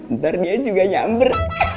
ntar dia juga nyamper